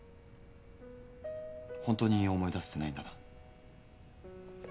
ホントに思い出せてないんだな？